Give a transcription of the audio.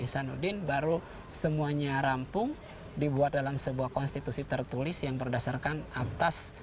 hasanuddin baru semuanya rampung dibuat dalam sebuah konstitusi tertulis yang berdasarkan atas